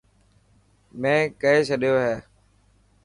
مين ڪئي ڇڏيو هي.